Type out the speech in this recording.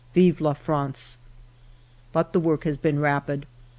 Vive la France !'" But the work has been rapid.